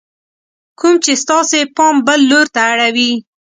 کوم چې ستاسې پام بل لور ته اړوي :